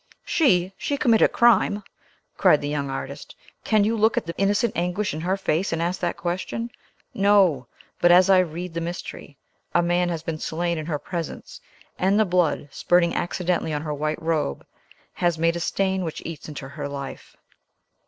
"She! she commit a crime!" cried the young artist. "Can you look at the innocent anguish in her face, and ask that question? No; but, as I read the mystery, a man has been slain in her presence, and the blood, spurting accidentally on her white robe, has made a stain which eats into her life."